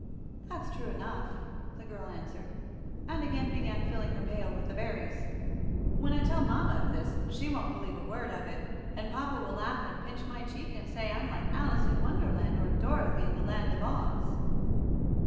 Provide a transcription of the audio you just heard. "That's true enough," the girl answered, and again began filling her pail with the berries. "When I tell mama all this, she won't believe a word of it. And papa will laugh and pinch my cheek, and say I'm like Alice in Wonderland, or Dorothy in the Land of Oz."